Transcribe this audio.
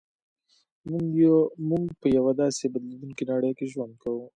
موږ په یوه داسې بدلېدونکې نړۍ کې ژوند کوو